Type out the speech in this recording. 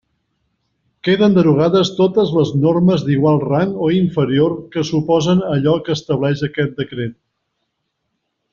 Queden derogades totes les normes d'igual rang o inferior que s'oposen a allò que estableix aquest decret.